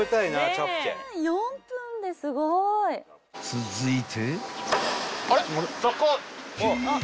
［続いて］